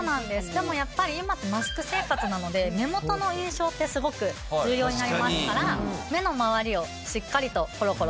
でもやっぱり今ってマスク生活なので目元の印象ってすごく重要になりますから目の周りをしっかりとコロコロしてあげてください。